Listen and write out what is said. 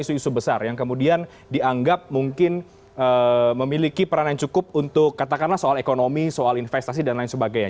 isu isu besar yang kemudian dianggap mungkin memiliki peran yang cukup untuk katakanlah soal ekonomi soal investasi dan lain sebagainya